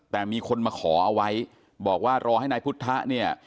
แต่มีคนมาขอเอาไว้บอกว่ารอให้นายพุทธะเนี่ย